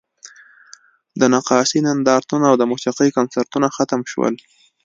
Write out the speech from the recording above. د نقاشۍ نندارتونونه او د موسیقۍ کنسرتونه ختم شول